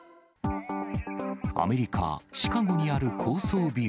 アメリカ・シカゴにある高層ビル。